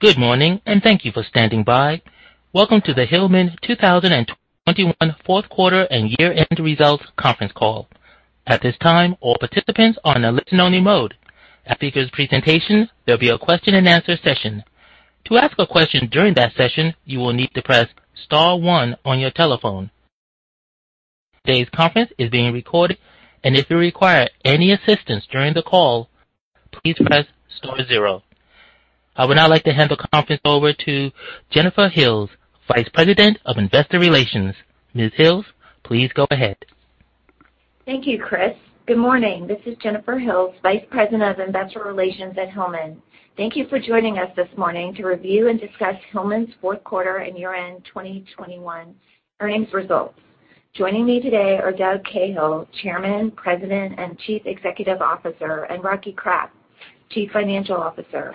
Good morning and thank you for standing by. Welcome to the Hillman 2021 fourth quarter and year-end results conference call. At this time, all participants are in a listen-only mode. After the presentation, there'll be a question-and-answer session. To ask a question during that session, you will need to press star one on your telephone. Today's conference is being recorded, and if you require any assistance during the call, please press star zero. I would now like to hand the conference over to Jennifer Hills, Vice President of Investor Relations. Mr. Koehler, please go ahead. Thank you, Chris. Good morning. This is Michael Koehler, Vice President of Investor Relations at Hillman. Thank you for joining us this morning to review and discuss Hillman's fourth quarter and year-end 2021 earnings results. Joining me today are Doug Cahill, Chairman, President, and Chief Executive Officer, and Rocky Kraft, Chief Financial Officer.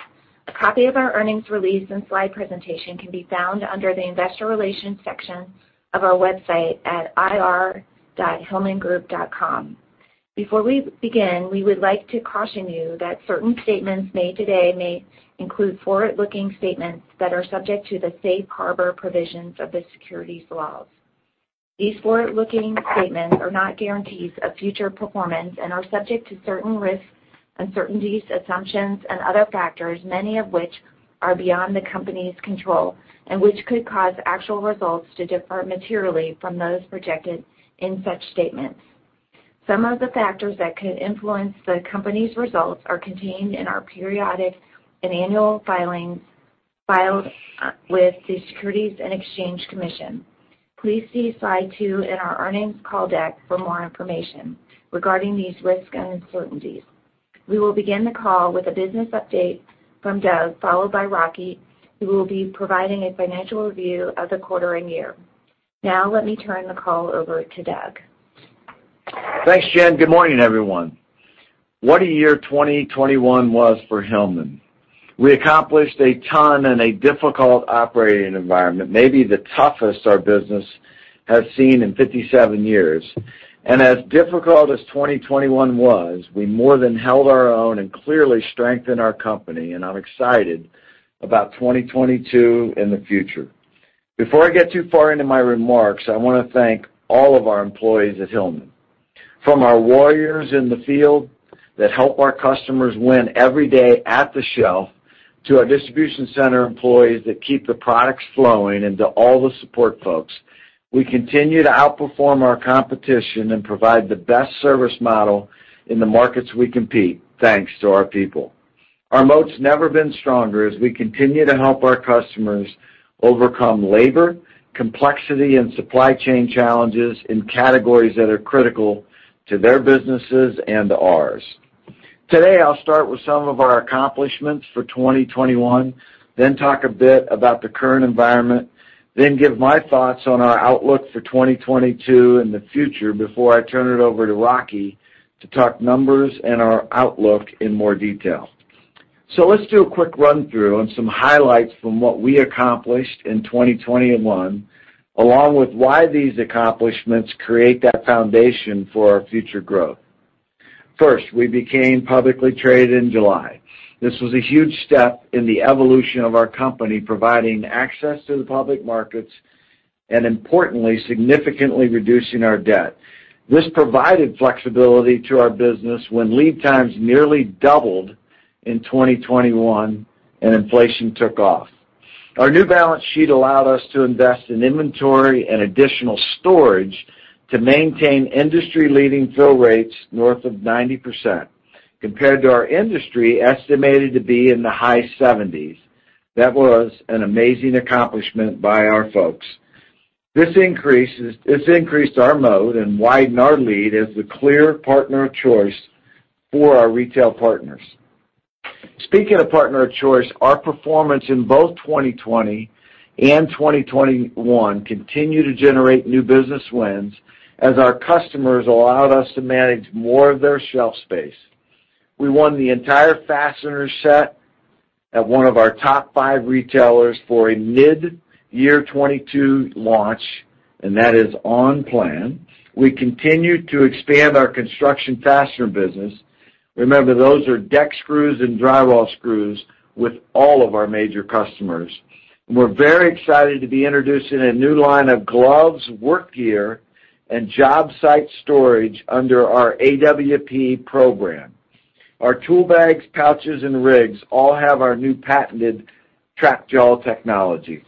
A copy of our earnings release and slide presentation can be found under the Investor Relations section of our website at ir.hillmangroup.com. Before we begin, we would like to caution you that certain statements made today may include forward-looking statements that are subject to the safe harbor provisions of the securities laws. These forward-looking statements are not guarantees of future performance and are subject to certain risks, uncertainties, assumptions, and other factors, many of which are beyond the company's control, and which could cause actual results to differ materially from those projected in such statements. Some of the factors that could influence the company's results are contained in our periodic and annual filings, filed with the Securities and Exchange Commission. Please see slide two in our earnings call deck for more information regarding these risks and uncertainties. We will begin the call with a business update from Doug, followed by Rocky, who will be providing a financial review of the quarter and year. Now let me turn the call over to Doug. Thanks, Jen. Good morning, everyone. What a year 2021 was for Hillman. We accomplished a ton in a difficult operating environment, maybe the toughest our business has seen in 57 years. As difficult as 2021 was, we more than held our own and clearly strengthened our company, and I'm excited about 2022 and the future. Before I get too far into my remarks, I wanna thank all of our employees at Hillman. From our warriors in the field that help our customers win every day at the shelf, to our distribution center employees that keep the products flowing, and to all the support folks, we continue to outperform our competition and provide the best service model in the markets we compete, thanks to our people. Our moat's never been stronger as we continue to help our customers overcome labor, complexity, and supply chain challenges in categories that are critical to their businesses and ours. Today, I'll start with some of our accomplishments for 2021, then talk a bit about the current environment, then give my thoughts on our outlook for 2022 and the future before I turn it over to Rocky to talk numbers and our outlook in more detail. Let's do a quick run-through on some highlights from what we accomplished in 2021, along with why these accomplishments create that foundation for our future growth. First, we became publicly traded in July. This was a huge step in the evolution of our company, providing access to the public markets and importantly, significantly reducing our debt. This provided flexibility to our business when lead times nearly doubled in 2021 and inflation took off. Our new balance sheet allowed us to invest in inventory and additional storage to maintain industry-leading fill rates north of 90%, compared to our industry, estimated to be in the high 70s. That was an amazing accomplishment by our folks. This increased our moat and widened our lead as the clear partner of choice for our retail partners. Speaking of partner of choice, our performance in both 2020 and 2021 continued to generate new business wins as our customers allowed us to manage more of their shelf space. We won the entire fastener set at one of our top five retailers for a mid-year 2022 launch, and that is on plan. We continued to expand our construction fastener business. Remember, those are deck screws and drywall screws with all of our major customers. We're very excited to be introducing a new line of gloves, work gear, and job site storage under our AWP program. Our tool bags, pouches, and rigs all have our new patented TrapJaw technology.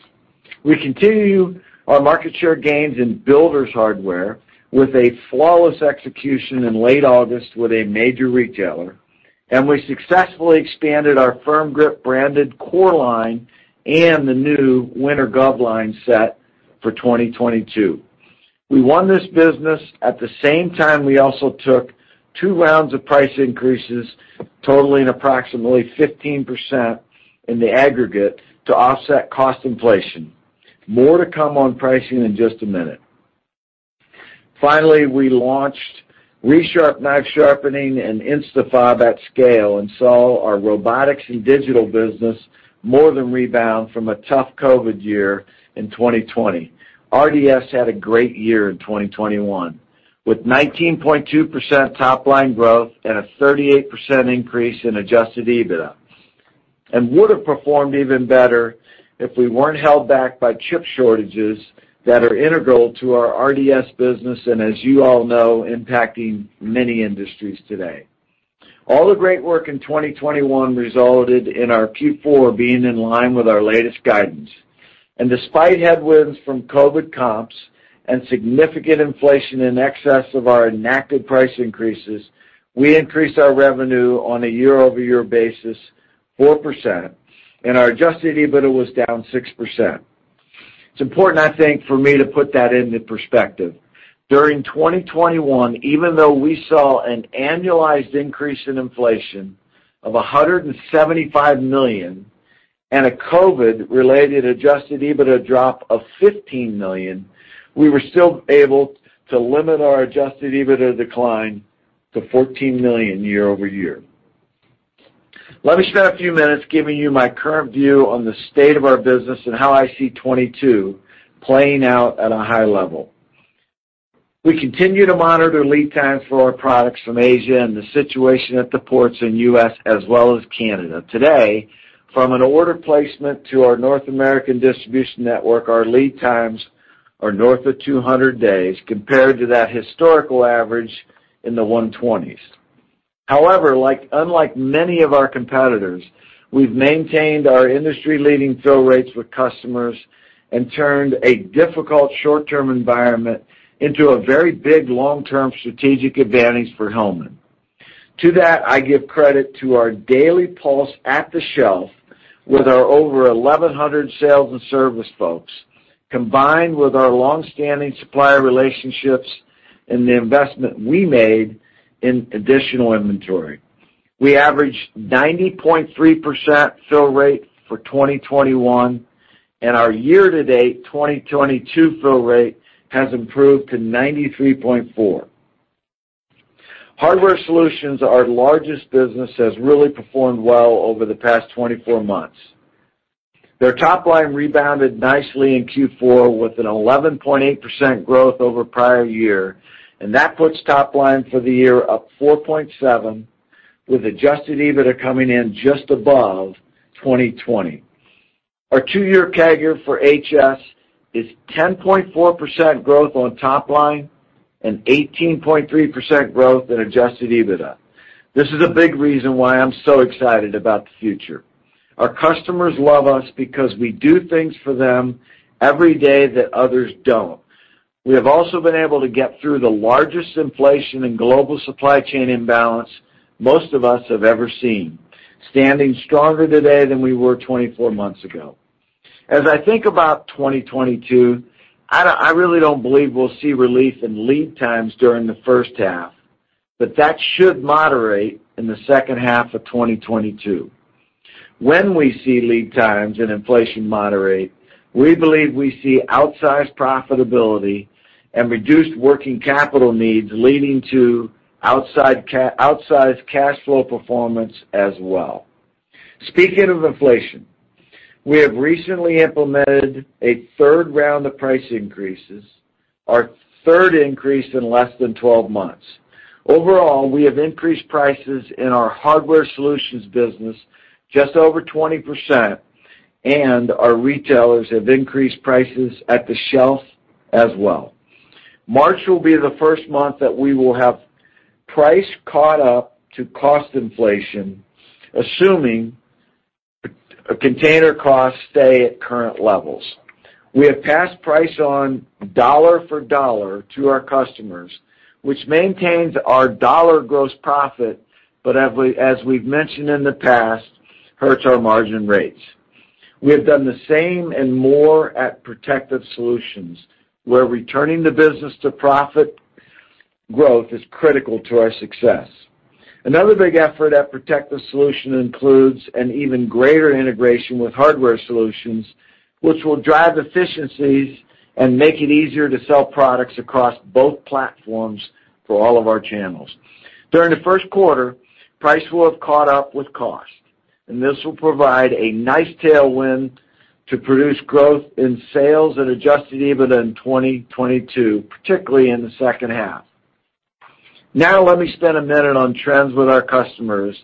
We continue our market share gains in builder's hardware with a flawless execution in late August with a major retailer, and we successfully expanded our Firm Grip branded core line and the new winter glove line set for 2022. We won this business at the same time we also took two rounds of price increases, totaling approximately 15% in the aggregate to offset cost inflation. More to come on pricing in just a minute. Finally, we launched Resharp knife sharpening and Instafob at scale and saw our Robotics and Digital Solutions business more than rebound from a tough COVID year in 2020. RDS had a great year in 2021. With 19.2% top-line growth and a 38% increase in Adjusted EBITDA and would have performed even better if we weren't held back by chip shortages that are integral to our RDS business and as you all know, impacting many industries today. All the great work in 2021 resulted in our Q4 being in line with our latest guidance. Despite headwinds from COVID comps and significant inflation in excess of our enacted price increases, we increased our revenue on a year-over-year basis 4%, and our Adjusted EBITDA was down 6%. It's important, I think, for me to put that into perspective. During 2021, even though we saw an annualized increase in inflation of $175 million and a COVID-related adjusted EBITDA drop of $15 million, we were still able to limit our Adjusted EBITDA decline to $14 million year-over-year. Let me spend a few minutes giving you my current view on the state of our business and how I see 2022 playing out at a high level. We continue to monitor lead times for our products from Asia and the situation at the ports in US as well as Canada. Today, from an order placement to our North American distribution network, our lead times are north of 200 days compared to that historical average in the 120s. However, unlike many of our competitors, we've maintained our industry-leading fill rates with customers and turned a difficult short-term environment into a very big long-term strategic advantage for Hillman. To that, I give credit to our daily pulse at the shelf with our over 1,100 sales and service folks, combined with our long-standing supplier relationships and the investment we made in additional inventory. We averaged 90.3% fill rate for 2021, and our year-to-date 2022 fill rate has improved to 93.4%. Hardware Solutions, our largest business, has really performed well over the past 24 months. Their top line rebounded nicely in Q4 with an 11.8% growth over prior year, and that puts top line for the year up 4.7, with Adjusted EBITDA coming in just above 2020. Our two-year CAGR for HS is 10.4% growth on top line and 18.3% growth in Adjusted EBITDA. This is a big reason why I'm so excited about the future. Our customers love us because we do things for them every day that others don't. We have also been able to get through the largest inflation and global supply chain imbalance most of us have ever seen, standing stronger today than we were 24 months ago. As I think about 2022, I really don't believe we'll see relief in lead times during the first half, but that should moderate in the second half of 2022. When we see lead times and inflation moderate, we believe we see outsized profitability and reduced working capital needs leading to outsized cash flow performance as well. Speaking of inflation, we have recently implemented a third round of price increases, our third increase in less than 12 months. Overall, we have increased prices in our Hardware Solutions business just over 20%, and our retailers have increased prices at the shelf as well. March will be the first month that we will have price caught up to cost inflation, assuming a container costs stay at current levels. We have passed price on dollar for dollar to our customers, which maintains our dollar gross profit, but as we've mentioned in the past, hurts our margin rates. We have done the same and more at Protective Solutions, where returning the business to profit growth is critical to our success. Another big effort at Protective Solutions includes an even greater integration with Hardware Solutions, which will drive efficiencies and make it easier to sell products across both platforms for all of our channels. During the first quarter, price will have caught up with cost, and this will provide a nice tailwind to produce growth in sales and Adjusted EBITDA in 2022, particularly in the second half. Now let me spend a minute on trends with our customers.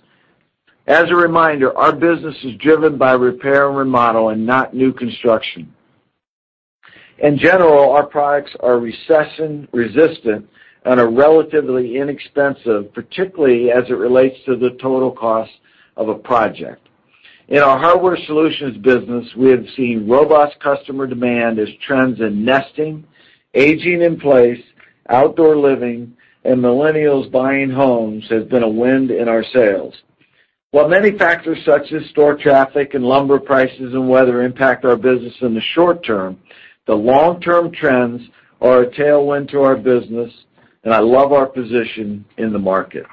As a reminder, our business is driven by repair and remodel and not new construction. In general, our products are recession-resistant and are relatively inexpensive, particularly as it relates to the total cost of a project. In our Hardware Solutions business, we have seen robust customer demand as trends in nesting, aging in place, outdoor living, and millennials buying homes has been a wind in our sails. While many factors such as store traffic and lumber prices and weather impact our business in the short term, the long-term trends are a tailwind to our business, and I love our position in the market.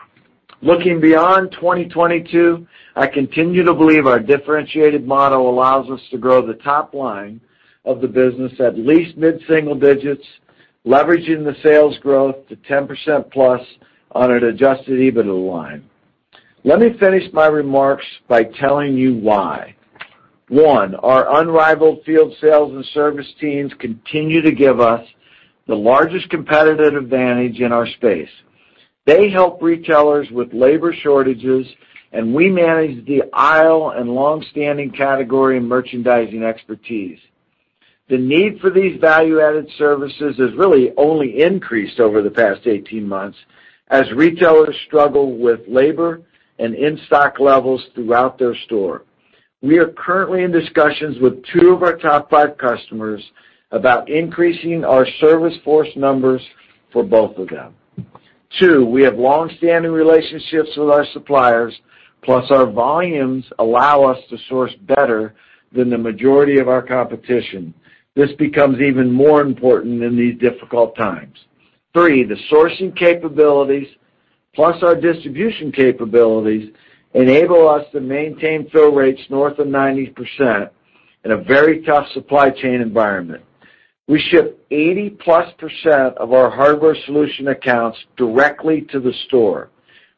Looking beyond 2022, I continue to believe our differentiated model allows us to grow the top line of the business at least mid-single digits, leveraging the sales growth to 10%+ on an Adjusted EBITDA line. Let me finish my remarks by telling you why. One, our unrivaled field sales and service teams continue to give us the largest competitive advantage in our space. They help retailers with labor shortages, and we manage the aisle and long-standing category and merchandising expertise. The need for these value-added services has really only increased over the past 18 months as retailers struggle with labor and in-stock levels throughout their store. We are currently in discussions with two of our top five customers about increasing our service force numbers for both of them. Two, we have long-standing relationships with our suppliers, plus our volumes allow us to source better than the majority of our competition. This becomes even more important in these difficult times. Three, the sourcing capabilities, plus our distribution capabilities, enable us to maintain fill rates north of 90% in a very tough supply chain environment. We ship 80+% of our Hardware Solutions accounts directly to the store.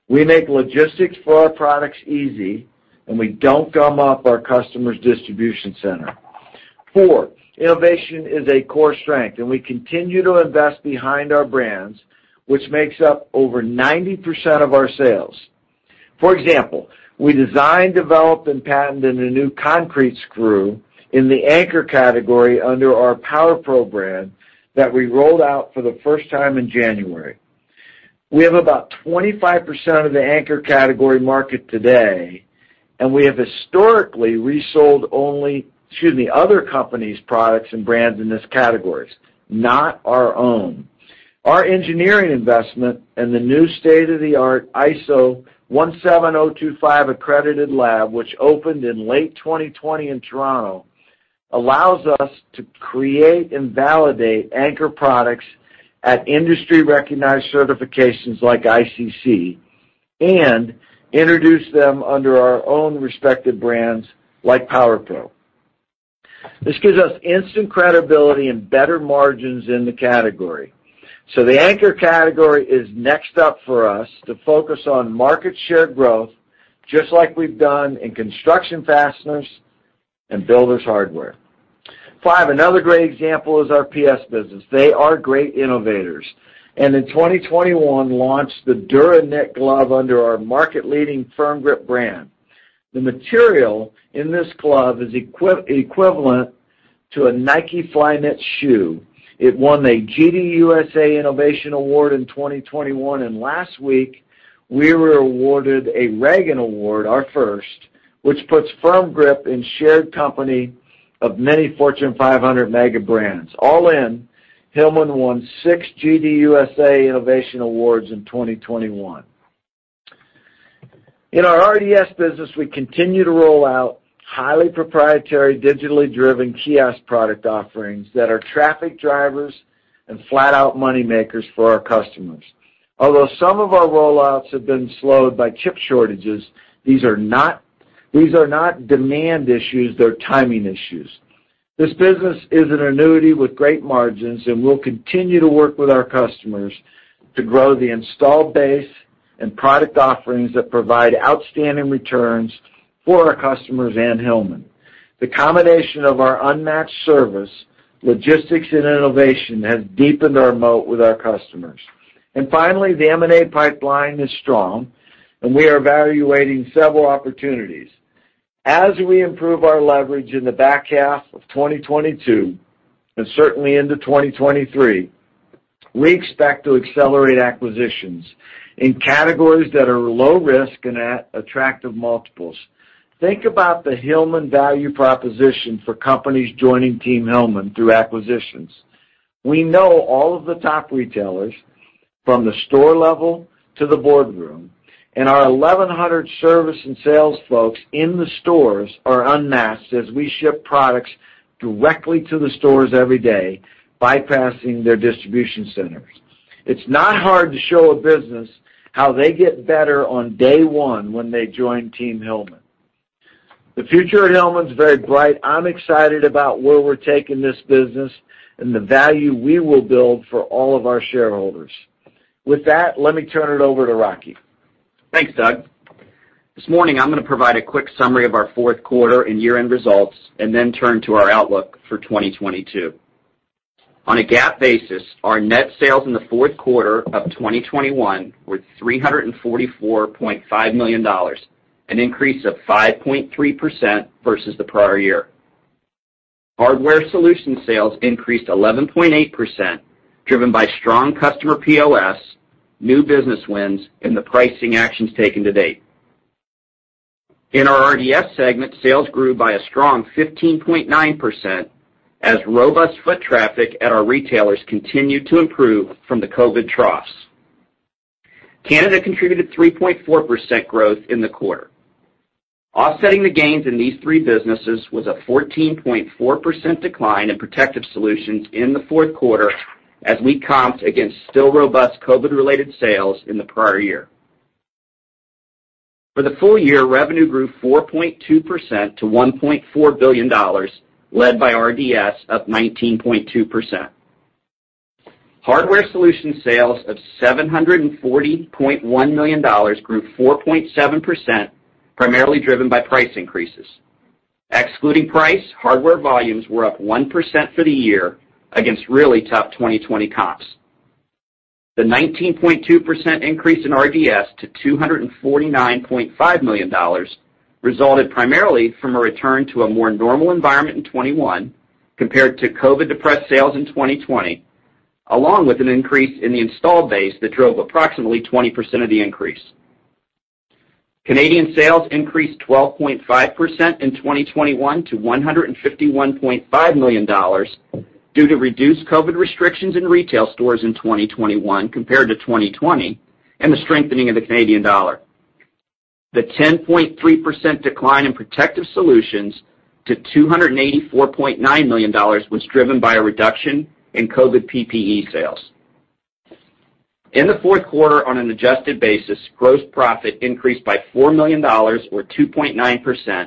We make logistics for our products easy, and we don't gum up our customer's distribution center. Four, innovation is a core strength, and we continue to invest behind our brands, which makes up over 90% of our sales. For example, we designed, developed, and patented a new concrete screw in the anchor category under our Power Pro brand that we rolled out for the first time in January. We have about 25% of the anchor category market today, and we have historically resold only other companies' products and brands in these categories, not our own. Our engineering investment and the new state-of-the-art ISO 17025-accredited lab, which opened in late 2020 in Toronto, allows us to create and validate anchor products at industry-recognized certifications like ICC and introduce them under our own respective brands like Power Pro. This gives us instant credibility and better margins in the category. The anchor category is next up for us to focus on market share growth, just like we've done in construction fasteners and builder's hardware. Five, another great example is our PS business. They are great innovators, and in 2021, launched the Dura-Knit glove under our market-leading Firm Grip brand. The material in this glove is equivalent to a Nike Flyknit shoe. It won a GDUSA Innovation Award in 2021, and last week, we were awarded a REGGIE Award, our first, which puts Firm Grip in shared company of many Fortune 500 mega brands. All in, Hillman won six GDUSA Innovation Awards in 2021. In our RDS business, we continue to roll out highly proprietary, digitally driven kiosk product offerings that are traffic drivers and flat-out money makers for our customers. Although some of our rollouts have been slowed by chip shortages, these are not demand issues, they're timing issues. This business is an annuity with great margins, and we'll continue to work with our customers to grow the installed base and product offerings that provide outstanding returns for our customers and Hillman. The combination of our unmatched service, logistics, and innovation has deepened our moat with our customers. Finally, the M&A pipeline is strong, and we are evaluating several opportunities. As we improve our leverage in the back half of 2022, and certainly into 2023, we expect to accelerate acquisitions in categories that are low risk and at attractive multiples. Think about the Hillman value proposition for companies joining Team Hillman through acquisitions. We know all of the top retailers from the store level to the boardroom, and our 1,100 service and sales folks in the stores are unmatched as we ship products directly to the stores every day, bypassing their distribution centers. It's not hard to show a business how they get better on day one when they join Team Hillman. The future at Hillman is very bright. I'm excited about where we're taking this business and the value we will build for all of our shareholders. With that, let me turn it over to Rocky. Thanks, Doug. This morning, I'm going to provide a quick summary of our fourth quarter and year-end results and then turn to our outlook for 2022. On a GAAP basis, our net sales in the fourth quarter of 2021 were $344.5 million, an increase of 5.3% versus the prior year. Hardware Solutions sales increased 11.8%, driven by strong customer POS, new business wins, and the pricing actions taken to date. In our RDS segment, sales grew by a strong 15.9% as robust foot traffic at our retailers continued to improve from the COVID troughs. Canada contributed 3.4% growth in the quarter. Offsetting the gains in these three businesses was a 14.4% decline in Protective Solutions in the fourth quarter as we comped against still robust COVID-related sales in the prior year. For the full year, revenue grew 4.2% to $1.4 billion, led by RDS up 19.2%. Hardware Solutions sales of $740.1 million grew 4.7%, primarily driven by price increases. Excluding price, hardware volumes were up 1% for the year against really tough 2020 comps. The 19.2% increase in RDS to $249.5 million resulted primarily from a return to a more normal environment in 2021 compared to COVID-depressed sales in 2020, along with an increase in the installed base that drove approximately 20% of the increase. Canadian sales increased 12.5% in 2021 to $151.5 million due to reduced COVID restrictions in retail stores in 2021 compared to 2020 and the strengthening of the Canadian dollar. The 10.3% decline in Protective Solutions to $284.9 million was driven by a reduction in COVID PPE sales. In the fourth quarter, on an adjusted basis, gross profit increased by $4 million or 2.9%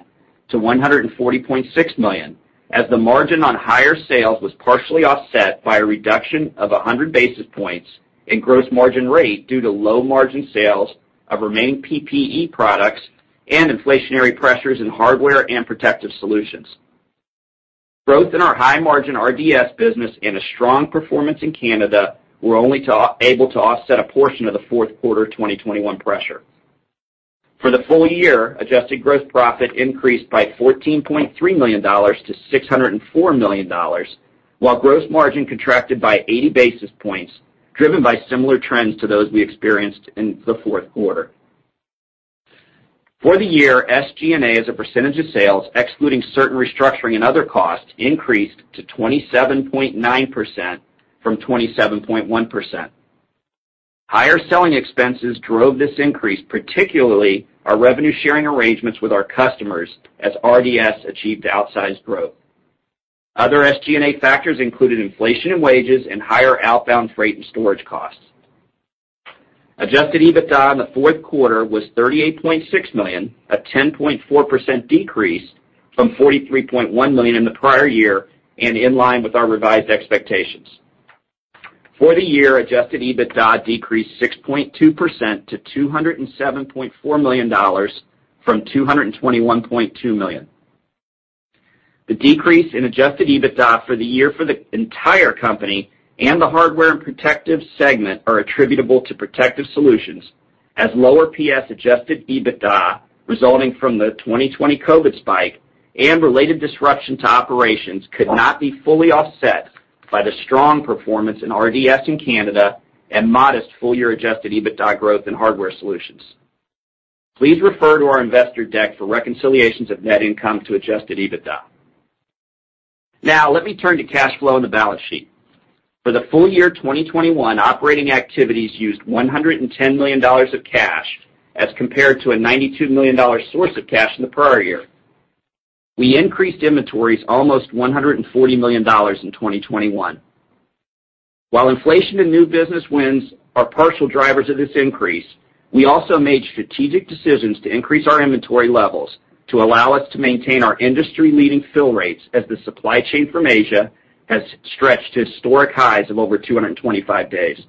to $140.6 million, as the margin on higher sales was partially offset by a reduction of 100 basis points in gross margin rate due to low margin sales of remaining PPE products and inflationary pressures in Hardware and Protective Solutions. Growth in our high-margin RDS business and a strong performance in Canada were only able to offset a portion of the fourth quarter of 2021 pressure. For the full year, adjusted gross profit increased by $14.3 million to $604 million, while gross margin contracted by 80 basis points, driven by similar trends to those we experienced in the fourth quarter. For the year, SG&A, as a percentage of sales excluding certain restructuring and other costs, increased to 27.9% from 27.1%. Higher selling expenses drove this increase, particularly our revenue sharing arrangements with our customers as RDS achieved outsized growth. Other SG&A factors included inflation in wages and higher outbound freight and storage costs. Adjusted EBITDA in the fourth quarter was $38.6 million, a 10.4% decrease from $43.1 million in the prior year and in line with our revised expectations. For the year, Adjusted EBITDA decreased 6.2% to $207.4 million from $221.2 million. nThe decrease in Adjusted EBITDA for the year for the entire company and the Hardware and Protective segment are attributable to Protective Solutions, as lower PS Adjusted EBITDA resulting from the 2020 COVID spike and related disruption to operations could not be fully offset by the strong performance in RDS in Canada and modest full-year Adjusted EBITDA growth in Hardware Solutions. Please refer to our investor deck for reconciliations of net income to Adjusted EBITDA. Now, let me turn to cash flow and the balance sheet. For the full year 2021, operating activities used $110 million of cash as compared to a $92 million source of cash in the prior year. We increased inventories almost $140 million in 2021. While inflation and new business wins are partial drivers of this increase, we also made strategic decisions to increase our inventory levels to allow us to maintain our industry-leading fill rates as the supply chain from Asia has stretched to historic highs of over 225 days.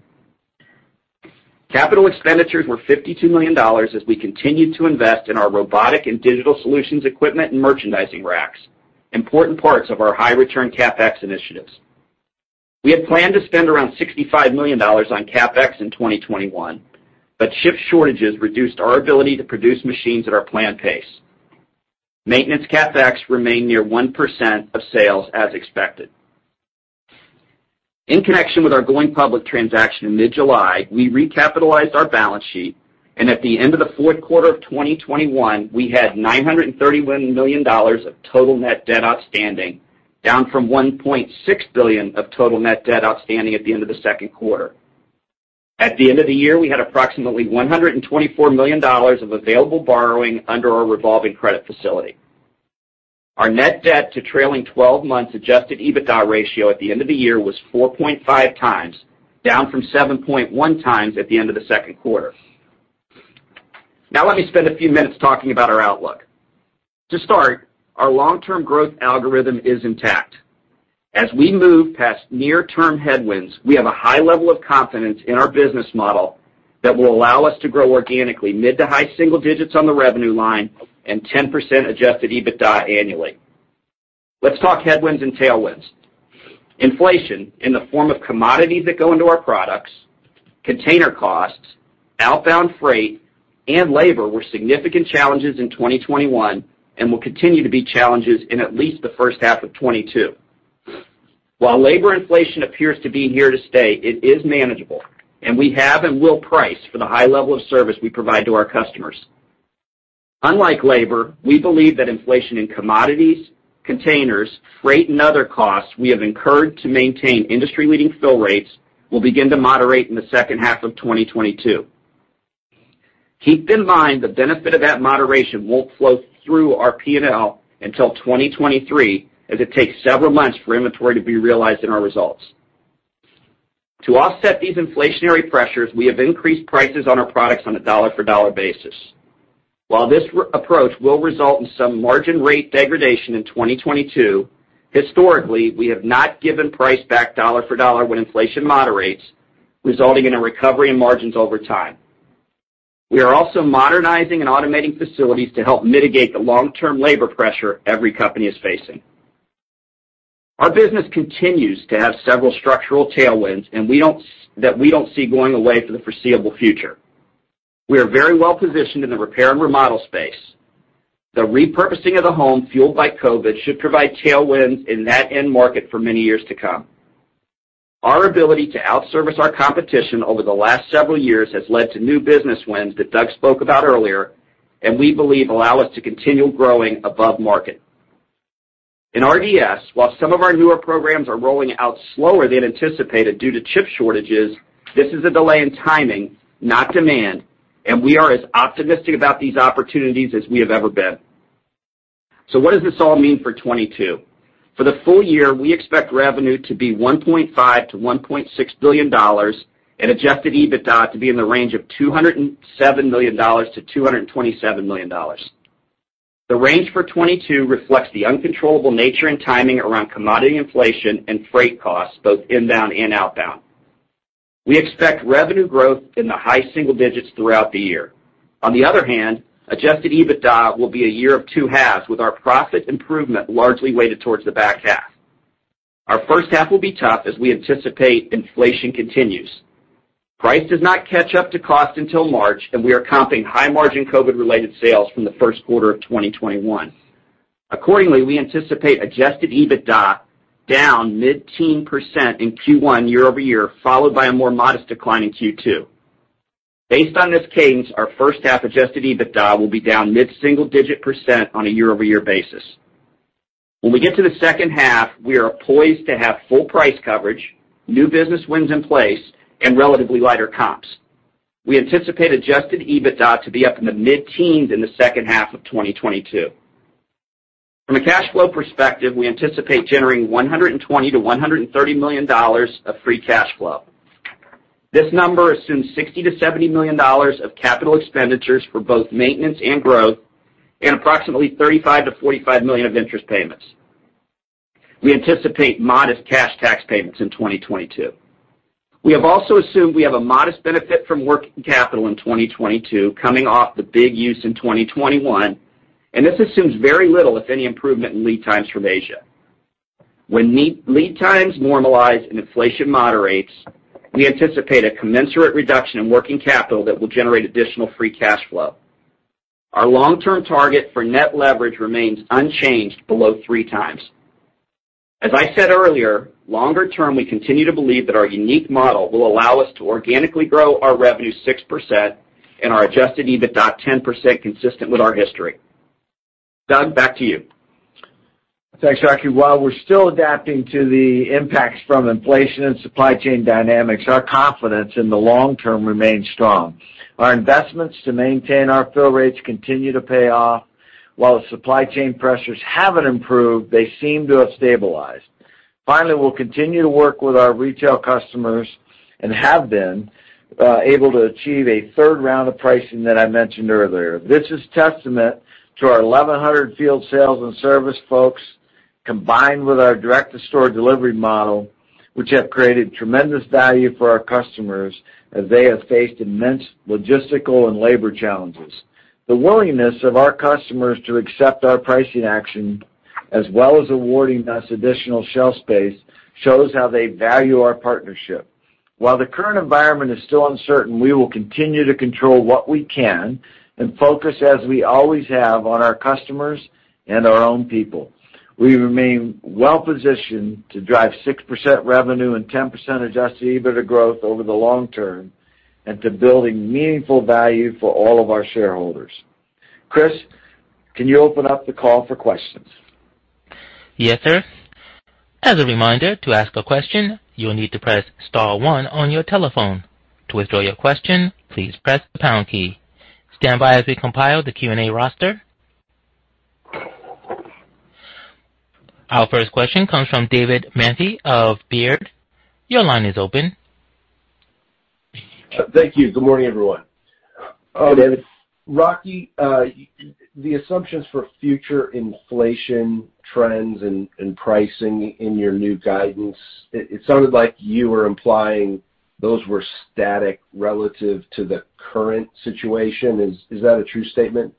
Capital expenditures were $52 million as we continued to invest in our Robotics and Digital Solutions equipment and merchandising racks, important parts of our high return CapEx initiatives. We had planned to spend around $65 million on CapEx in 2021, but ship shortages reduced our ability to produce machines at our planned pace. Maintenance CapEx remained near 1% of sales as expected. In connection with our going public transaction in mid-July, we recapitalized our balance sheet, and at the end of the fourth quarter of 2021, we had $931 million of total net debt outstanding, down from $1.6 billion of total net debt outstanding at the end of the second quarter. At the end of the year, we had approximately $124 million of available borrowing under our revolving credit facility. Our net debt to trailing 12 months Adjusted EBITDA ratio at the end of the year was 4.5x, down from 7.1x at the end of the second quarter. Now let me spend a few minutes talking about our outlook. To start, our long-term growth algorithm is intact. As we move past near-term headwinds, we have a high level of confidence in our business model that will allow us to grow organically mid- to high-single-digit % on the revenue line and 10% Adjusted EBITDA annually. Let's talk headwinds and tailwinds. Inflation in the form of commodities that go into our products, container costs, outbound freight, and labor were significant challenges in 2021 and will continue to be challenges in at least the first half of 2022. While labor inflation appears to be here to stay, it is manageable, and we have and will price for the high level of service we provide to our customers. Unlike labor, we believe that inflation in commodities, containers, freight, and other costs we have incurred to maintain industry-leading fill rates will begin to moderate in the second half of 2022. Keep in mind the benefit of that moderation won't flow through our P&L until 2023, as it takes several months for inventory to be realized in our results. To offset these inflationary pressures, we have increased prices on our products on a dollar-for-dollar basis. While this approach will result in some margin rate degradation in 2022, historically, we have not given price back dollar for dollar when inflation moderates, resulting in a recovery in margins over time. We are also modernizing and automating facilities to help mitigate the long-term labor pressure every company is facing. Our business continues to have several structural tailwinds, and we don't see going away for the foreseeable future. We are very well-positioned in the repair and remodel space. The repurposing of the home fueled by COVID should provide tailwinds in that end market for many years to come. Our ability to out-service our competition over the last several years has led to new business wins that Doug spoke about earlier and we believe allow us to continue growing above market. In RDS, while some of our newer programs are rolling out slower than anticipated due to chip shortages, this is a delay in timing, not demand, and we are as optimistic about these opportunities as we have ever been. What does this all mean for 2022? For the full year, we expect revenue to be $1.5 billion-$1.6 billion and Adjusted EBITDA to be in the range of $207 million-$227 million. The range for 2022 reflects the uncontrollable nature and timing around commodity inflation and freight costs, both inbound and outbound. We expect revenue growth in the high single digits throughout the year. On the other hand, Adjusted EBITDA will be a year of two halves, with our profit improvement largely weighted towards the back half. Our first half will be tough as we anticipate inflation continues. Price does not catch up to cost until March, and we are comping high-margin COVID-related sales from the first quarter of 2021. Accordingly, we anticipate Adjusted EBITDA down mid-teens% in Q1 year-over-year, followed by a more modest decline in Q2. Based on this cadence, our first half Adjusted EBITDA will be down mid-single-digit% on a year-over-year basis. When we get to the second half, we are poised to have full price coverage, new business wins in place, and relatively lighter comps. We anticipate adjusted EBITDA to be up in the mid-teens% in the second half of 2022. From a cash flow perspective, we anticipate generating $120 million-$130 million of free cash flow. This number assumes $60 million-$70 million of capital expenditures for both maintenance and growth and approximately $35 million-$45 million of interest payments. We anticipate modest cash tax payments in 2022. We have also assumed we have a modest benefit from working capital in 2022 coming off the big use in 2021, and this assumes very little, if any, improvement in lead times from Asia. When lead times normalize and inflation moderates, we anticipate a commensurate reduction in working capital that will generate additional free cash flow. Our long-term target for net leverage remains unchanged below 3x. As I said earlier, longer term, we continue to believe that our unique model will allow us to organically grow our revenue 6% and our Adjusted EBITDA 10% consistent with our history. Doug, back to you. Thanks, Rocky. While we're still adapting to the impacts from inflation and supply chain dynamics, our confidence in the long term remains strong. Our investments to maintain our fill rates continue to pay off. While the supply chain pressures haven't improved, they seem to have stabilized. Finally, we'll continue to work with our retail customers and have been able to achieve a third round of pricing that I mentioned earlier. This is testament to our 1,100 field sales and service folks, combined with our direct-to-store delivery model, which have created tremendous value for our customers as they have faced immense logistical and labor challenges. The willingness of our customers to accept our pricing action, as well as awarding us additional shelf space, shows how they value our partnership. While the current environment is still uncertain, we will continue to control what we can and focus as we always have on our customers and our own people. We remain well-positioned to drive 6% revenue and 10% Adjusted EBITDA growth over the long term and to building meaningful value for all of our shareholders. Chris, can you open up the call for questions? Yes, sir. As a reminder, to ask a question, you'll need to press star one on your telephone. To withdraw your question, please press the pound key. Stand by as we compile the Q&A roster. Our first question comes from David Manthey of Baird. Your line is open. Thank you. Good morning, everyone. Hi, David. Rocky, the assumptions for future inflation trends and pricing in your new guidance, it sounded like you were implying those were static relative to the current situation. Is that a true statement?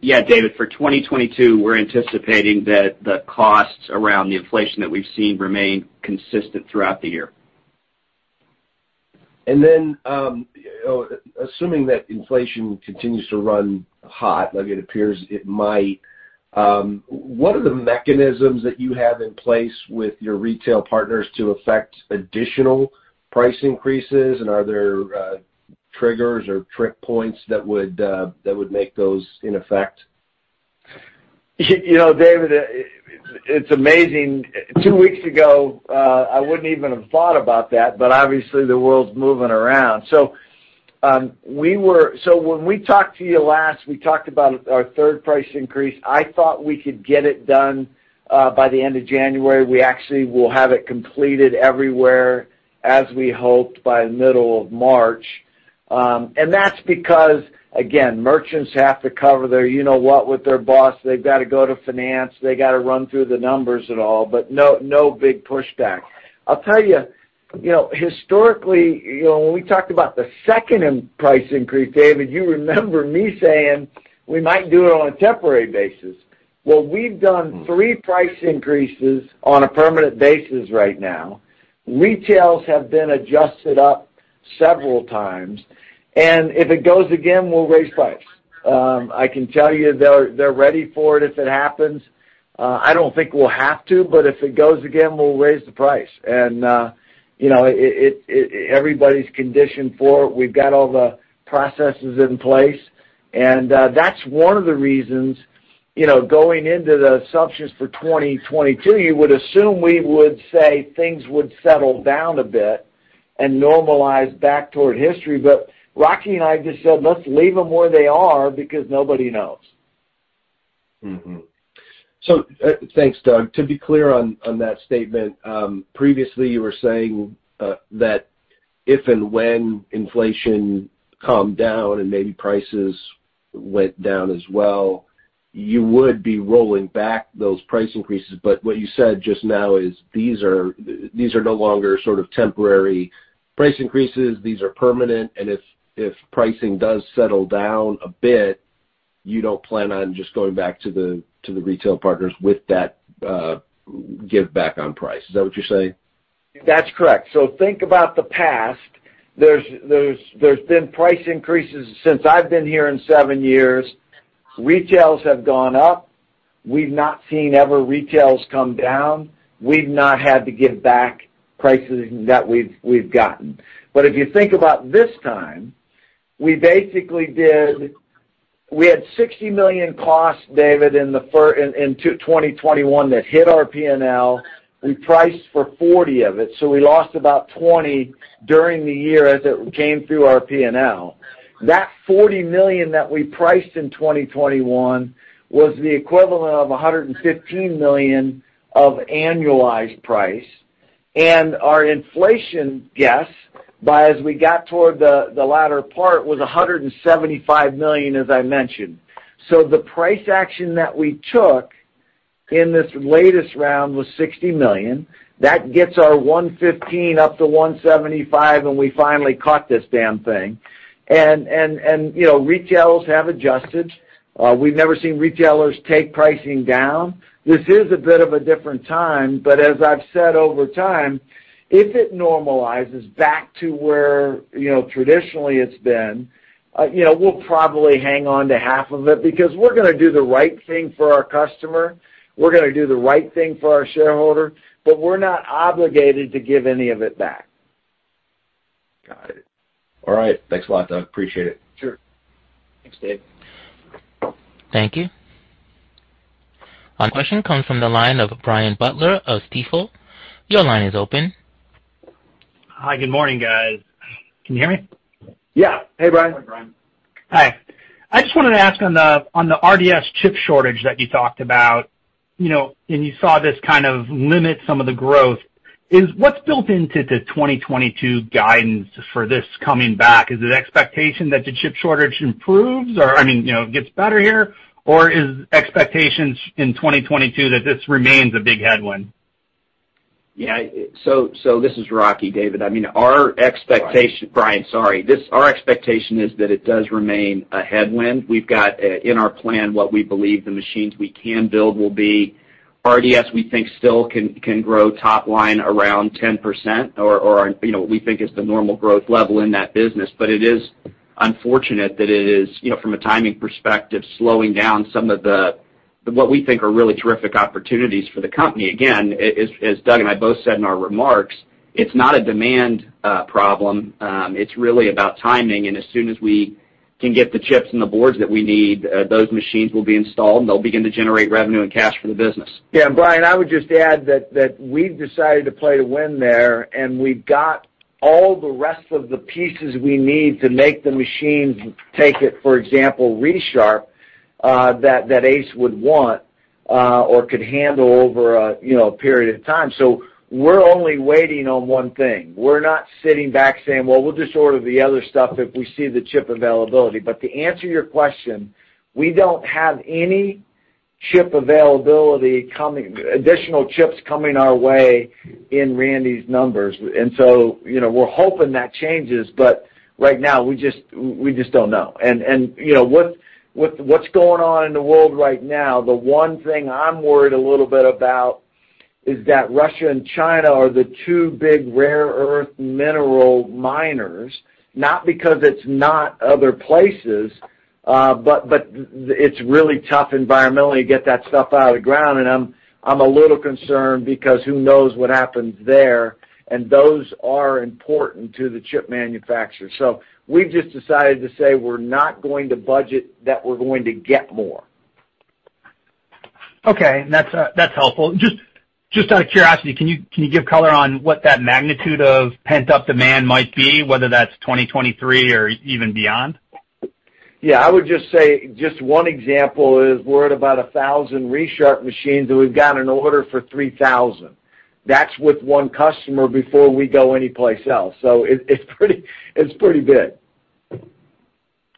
Yeah, David. For 2022, we're anticipating that the costs around the inflation that we've seen remain consistent throughout the year. Assuming that inflation continues to run hot like it appears it might, what are the mechanisms that you have in place with your retail partners to affect additional price increases? Are there triggers or trip points that would make those in effect? You know, David, it's amazing. Two weeks ago, I wouldn't even have thought about that, but obviously the world's moving around. When we talked to you last, we talked about our third price increase. I thought we could get it done by the end of January. We actually will have it completed everywhere, as we hoped, by middle of March. That's because, again, merchants have to cover their you know what with their boss. They've gotta go to finance, they gotta run through the numbers and all, but no big pushback. I'll tell you know, historically, you know, when we talked about the second price increase, David, you remember me saying we might do it on a temporary basis. Well, we've done three price increases on a permanent basis right now. Retail prices have been adjusted up several times, and if it goes again, we'll raise price. I can tell you they're ready for it if it happens. I don't think we'll have to, but if it goes again, we'll raise the price. You know, it's everybody's conditioned for it. We've got all the processes in place. That's one of the reasons, you know, going into the assumptions for 2022, you would assume we would say things would settle down a bit and normalize back toward history. Rocky and I just said, "Let's leave them where they are," because nobody knows. Thanks, Doug. To be clear on that statement, previously you were saying that if and when inflation calmed down and maybe prices went down as well, you would be rolling back those price increases. But what you said just now is these are no longer sort of temporary price increases, these are permanent. If pricing does settle down a bit, you don't plan on just going back to the retail partners with that give back on price. Is that what you're saying? That's correct. Think about the past. There's been price increases since I've been here in seven years. Retails have gone up. We've not seen ever retails come down. We've not had to give back pricing that we've gotten. If you think about this time, we basically did. We had $60 million costs, David, in 2021 that hit our P&L. We priced for $40 million of it, so we lost about $20 million during the year as it came through our P&L. That $40 million that we priced in 2021 was the equivalent of $115 million of annualized price. Our inflation guess, but as we got toward the latter part was $175 million, as I mentioned. The price action that we took in this latest round was $60 million. That gets our $115 up to $175, and we finally caught this damn thing. You know, retailers have adjusted. We've never seen retailers take pricing down. This is a bit of a different time, but as I've said over time, if it normalizes back to where, you know, traditionally it's been, you know, we'll probably hang on to half of it because we're gonna do the right thing for our customer, we're gonna do the right thing for our shareholder, but we're not obligated to give any of it back. Got it. All right. Thanks a lot, Doug. Appreciate it. Sure. Thanks, David. Thank you. Our question comes from the line of Brian Butler of Stifel. Your line is open. Hi. Good morning, guys. Can you hear me? Yeah. Hey, Brian. Hi, Brian. Hi. I just wanted to ask on the RDS chip shortage that you talked about, you know, and you saw this kind of limit some of the growth, is what's built into the 2022 guidance for this coming back? Is it expectation that the chip shortage improves or, I mean, you know, gets better here, or is expectations in 2022 that this remains a big headwind? Yeah. This is Rocky, David. I mean, our expectation- Brian. Brian, sorry. Our expectation is that it does remain a headwind. We've got in our plan what we believe the machines we can build will be. RDS, we think, still can grow top line around 10% or, you know, what we think is the normal growth level in that business. But it is unfortunate that it is, you know, from a timing perspective, slowing down some of the, what we think are really terrific opportunities for the company. Again, as Doug and I both said in our remarks, it's not a demand problem. It's really about timing. As soon as we can get the chips and the boards that we need, those machines will be installed, and they'll begin to generate revenue and cash for the business. Yeah. Brian, I would just add that we've decided to play to win there, and we've got all the rest of the pieces we need to make the machines take it, for example, Resharp, that Ace would want, or could handle over a, you know, period of time. We're only waiting on one thing. We're not sitting back saying, "Well, we'll just order the other stuff if we see the chip availability." To answer your question, we don't have any chip availability coming, additional chips coming our way in Randy's numbers. We're hoping that changes, but right now, we just don't know. You know, what's going on in the world right now, the one thing I'm worried a little bit about is that Russia and China are the two big rare earth mineral miners, not because it's not other places, but it's really tough environmentally to get that stuff out of the ground, and I'm a little concerned because who knows what happens there, and those are important to the chip manufacturer. We've just decided to say, we're not going to budget that we're going to get more. Okay. That's, that's helpful. Just out of curiosity, can you give color on what that magnitude of pent-up demand might be, whether that's 2023 or even beyond? I would just say one example is we're at about 1,000 Resharp machines, and we've got an order for 3,000. That's with one customer before we go anyplace else. It's pretty big.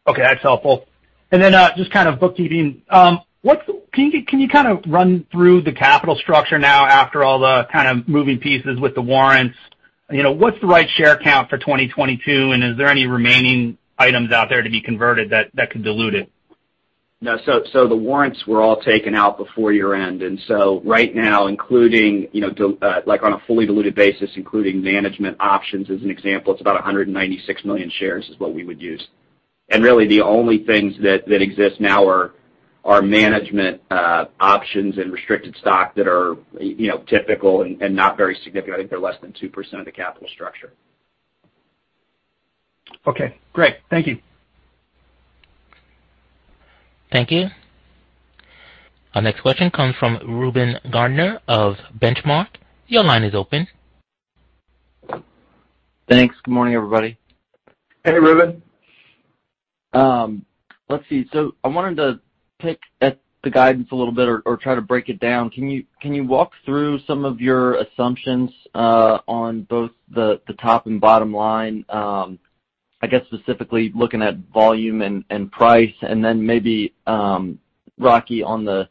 Okay, that's helpful. Then, just kind of bookkeeping. Can you kind of run through the capital structure now after all the kind of moving pieces with the warrants? You know, what's the right share count for 2022, and is there any remaining items out there to be converted that could dilute it? No. The warrants were all taken out before year-end. Right now, including, you know, on a fully diluted basis, including management options, as an example, it's about 196 million shares is what we would use. Really, the only things that exist now are management options and restricted stock that are, you know, typical and not very significant. I think they're less than 2% of the capital structure. Okay, great. Thank you. Thank you. Our next question comes from Reuben Garner of Benchmark. Your line is open. Thanks. Good morning, everybody. Hey, Reuben. Let's see. I wanted to pick at the guidance a little bit or try to break it down. Can you walk through some of your assumptions on both the top and bottom line, I guess specifically looking at volume and price? Then maybe, Rocky, on the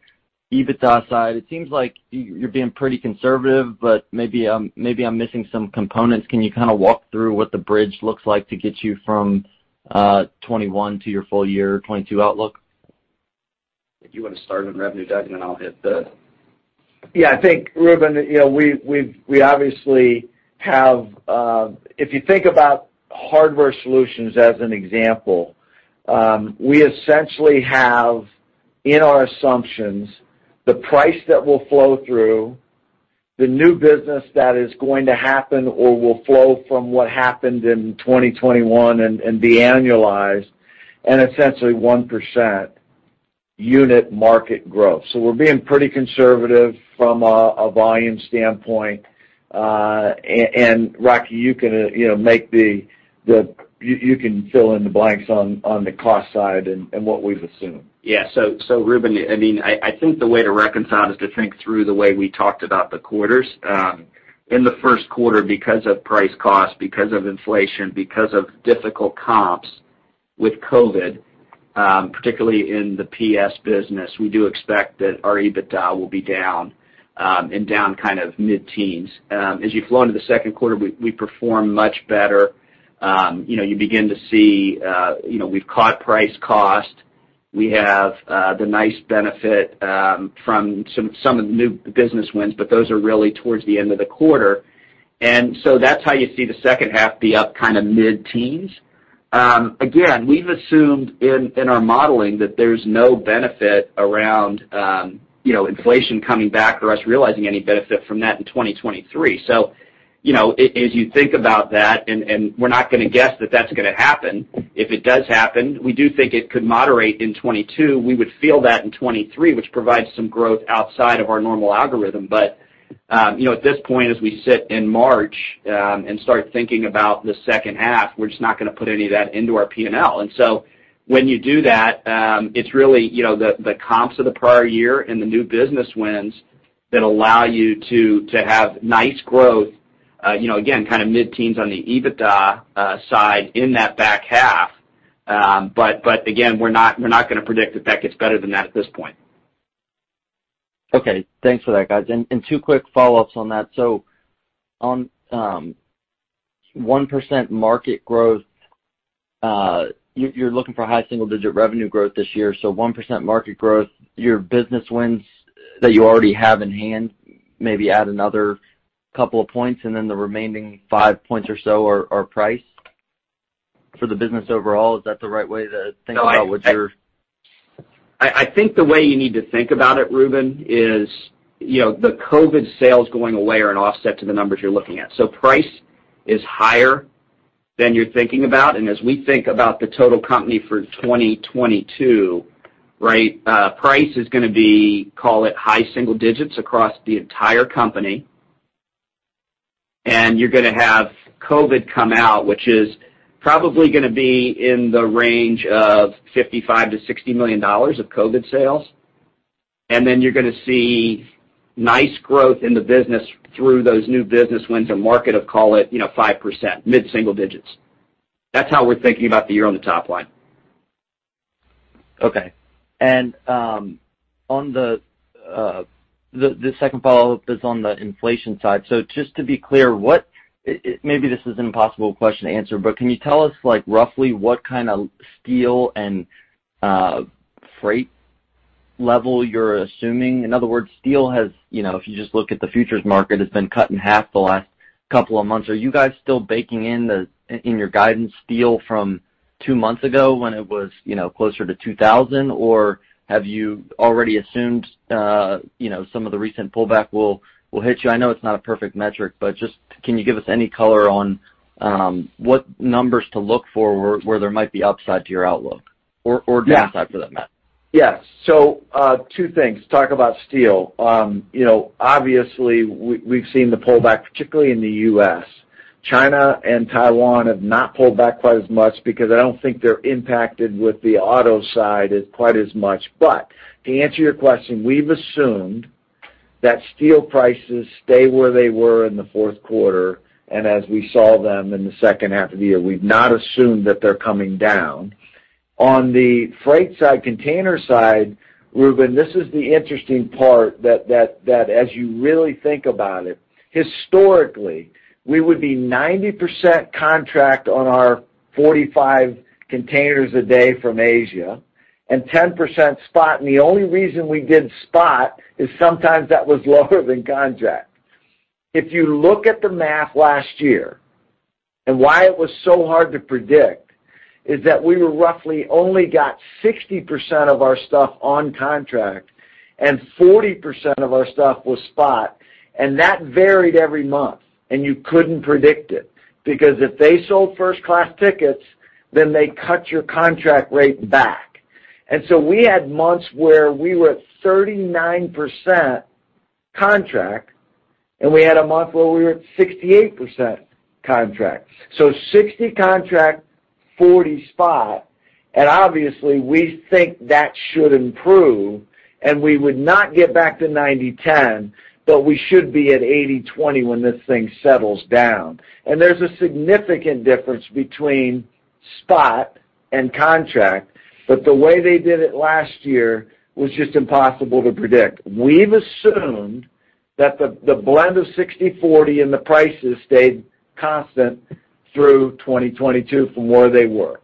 EBITDA side, it seems like you're being pretty conservative, but maybe I'm missing some components. Can you kinda walk through what the bridge looks like to get you from 2021 to your full year 2022 outlook? If you wanna start on revenue, Doug, and then I'll hit. I think, Reuben, we obviously have, if you think about Hardware Solutions as an example, we essentially have in our assumptions the price that will flow through the new business that is going to happen or will flow from what happened in 2021 and be annualized and essentially 1% unit market growth. We're being pretty conservative from a volume standpoint. Rocky, you can fill in the blanks on the cost side and what we've assumed. Yeah. Reuben, I mean, I think the way to reconcile is to think through the way we talked about the quarters. In the first quarter because of price cost, because of inflation, because of difficult comps with COVID, particularly in the PS business, we do expect that our EBITDA will be down, and down kind of mid-teens. As you flow into the second quarter, we perform much better. You know, you begin to see, you know, we've caught price cost. We have the nice benefit from some of the new business wins, but those are really towards the end of the quarter. That's how you see the second half be up kind of mid-teens. Again, we've assumed in our modeling that there's no benefit around, you know, inflation coming back or us realizing any benefit from that in 2023. You know, as you think about that, and we're not gonna guess that that's gonna happen. If it does happen, we do think it could moderate in 2022. We would feel that in 2023, which provides some growth outside of our normal algorithm. You know, at this point, as we sit in March and start thinking about the second half, we're just not gonna put any of that into our P&L. When you do that, it's really, you know, the comps of the prior year and the new business wins that allow you to have nice growth, you know, again, kind of mid-teens on the EBITDA side in that back half. Again, we're not gonna predict that it gets better than that at this point. Okay. Thanks for that, guys. Two quick follow-ups on that. On 1% market growth, you're looking for high single-digit revenue growth this year. 1% market growth, your business wins that you already have in hand, maybe add another couple of points, and then the remaining 5 points or so are price for the business overall. Is that the right way to think about what you're- No, I think the way you need to think about it, Reuben, is, you know, the COVID sales going away are an offset to the numbers you're looking at. Price is higher than you're thinking about. As we think about the total company for 2022, right, price is gonna be, call it, high single digits% across the entire company. You're gonna have COVID come out, which is probably gonna be in the range of $55 million-$60 million of COVID sales. Then you're gonna see nice growth in the business through those new business wins and market of, call it, you know, 5%, mid-single digits. That's how we're thinking about the year on the top line. Okay. On the second follow-up is on the inflation side. Just to be clear, maybe this is an impossible question to answer, but can you tell us, like, roughly what kinda steel and freight level you're assuming? In other words, steel has, you know, if you just look at the futures market, it's been cut in half the last couple of months. Are you guys still baking in your guidance steel from two months ago when it was, you know, closer to 2,000? Or have you already assumed, you know, some of the recent pullback will hit you? I know it's not a perfect metric, but just can you give us any color on what numbers to look for where there might be upside to your outlook or downside for that matter? Two things. Talk about steel. Obviously, we've seen the pullback, particularly in the US China and Taiwan have not pulled back quite as much because I don't think they're impacted with the auto side quite as much. To answer your question, we've assumed that steel prices stay where they were in the fourth quarter, and as we saw them in the second half of the year. We've not assumed that they're coming down. On the freight side, container side, Rueben, this is the interesting part that as you really think about it, historically, we would be 90% contract on our 45 containers a day from Asia, and 10% spot, and the only reason we did spot is sometimes that was lower than contract. If you look at the math last year and why it was so hard to predict, is that we were roughly only got 60% of our stuff on contract and 40% of our stuff was spot, and that varied every month, and you couldn't predict it. Because if they sold first-class tickets, then they cut your contract rate back. We had months where we were at 39% contract, and we had a month where we were at 68% contract. 60 contract, 40 spot, and obviously, we think that should improve, and we would not get back to 90/10, but we should be at 80/20 when this thing settles down. There's a significant difference between spot and contract, but the way they did it last year was just impossible to predict. We've assumed that the blend of 60/40 and the prices stayed constant through 2022 from where they were.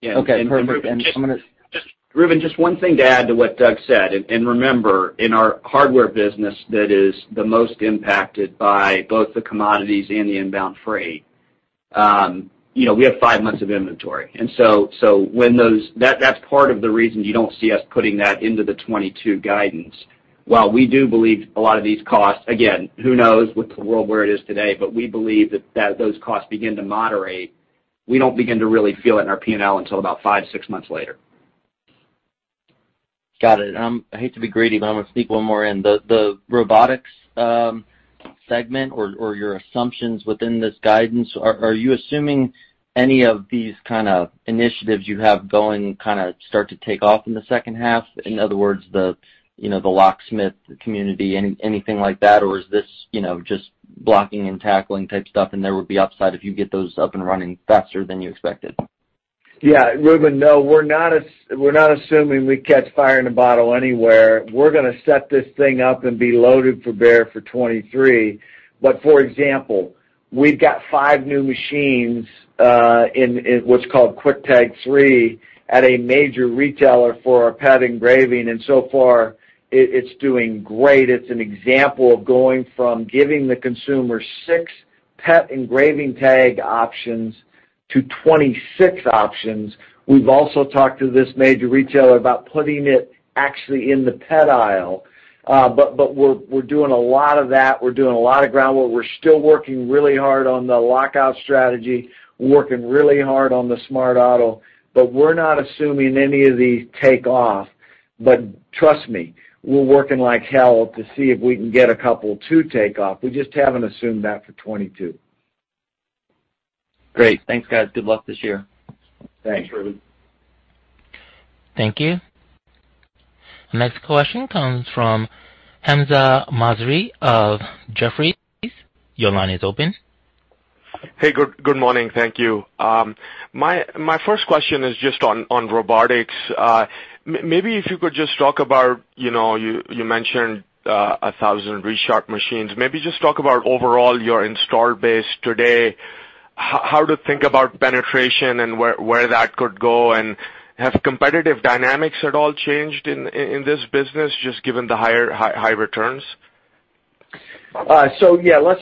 Yeah. Okay, perfect. Reuben, just one thing to add to what Doug said, and remember, in our hardware business that is the most impacted by both the commodities and the inbound freight, you know, we have five months of inventory. When that's part of the reason you don't see us putting that into the 2022 guidance. While we do believe a lot of these costs, again, who knows with the world where it is today, but we believe that those costs begin to moderate, we don't begin to really feel it in our P&L until about five, six months later. Got it. I hate to be greedy, but I'm gonna sneak one more in. The robotics segment or your assumptions within this guidance, are you assuming any of these kind of initiatives you have going kind of start to take off in the second half? In other words, you know, the locksmith community, anything like that, or is this, you know, just blocking and tackling type stuff, and there would be upside if you get those up and running faster than you expected? Yeah. Reuben, no, we're not assuming we catch lightning in a bottle anywhere. We're gonna set this thing up and be loaded for bear for 2023. For example, we've got five new machines in what's called Quick-Tag 3 at a major retailer for our pet engraving, and so far, it's doing great. It's an example of going from giving the consumer 6 pet engraving tag options to 26 options. We've also talked to this major retailer about putting it actually in the pet aisle. We're doing a lot of that. We're doing a lot of groundwork. We're still working really hard on the lockout strategy, working really hard on the smart auto, but we're not assuming any of these take off. But trust me, we're working like hell to see if we can get a couple to take off. We just haven't assumed that for 2022. Great. Thanks, guys. Good luck this year. Thanks, Reuben. Thank you. Next question comes from Hamzah Mazari of Jefferies. Your line is open. Hey, good morning. Thank you. My first question is just on robotics. Maybe if you could just talk about, you know, you mentioned 1,000 Resharp machines. Maybe just talk about overall your installed base today, how to think about penetration and where that could go, and have competitive dynamics at all changed in this business just given the higher high returns? Yeah.